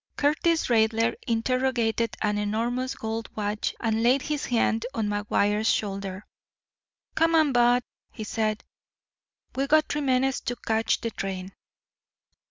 Curtis Raidler interrogated an enormous gold watch, and laid his hand on McGuire's shoulder. "Come on, bud," he said. "We got three minutes to catch the train."